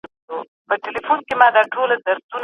آیا د نوي ښوونځیو احاطوي دیوالونه په پاخه ډول جوړیږي؟